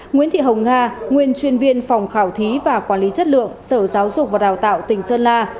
nguyễn thị hồng nga nguyên chuyên viên phòng khảo thí và quản lý chất lượng sở giáo dục và đào tạo tỉnh sơn la